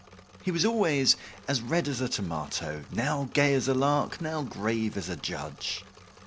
He was always as red as a tomato, now gay as a lark, now grave as a judge.